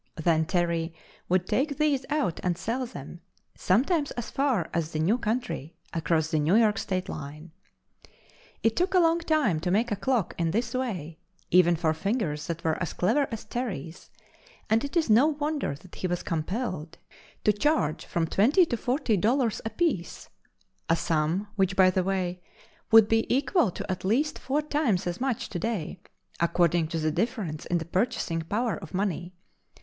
Then Terry would take these out and sell them, sometimes as far as the "new country" across the New York state line. It took a long time to make a clock in this way, even for fingers that were as clever as Terry's, and it is no wonder that he was compelled to charge from twenty to forty dollars apiece, a sum, which, by the way, would be equal to at least four times as much to day according to the difference in the purchasing power of money.